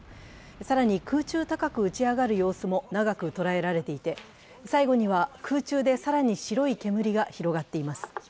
更に空中高く打ち上がる様子も長く捉えられていて、最後には、空中で更に白い煙が広がっています。